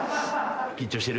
緊張してる？